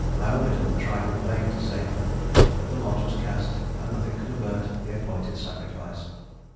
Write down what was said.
Laomedon tried in vain to save her, but the lot was cast, and nothing could avert the appointed sacrifice.